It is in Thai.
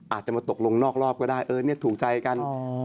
อาจจะมาตกลงนอกรอบก็ได้เออเนี่ยถูกใจกัน